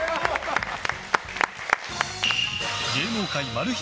芸能界マル秘